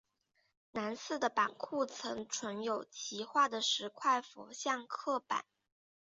南寺的版库曾存有其画的十块佛像刻版。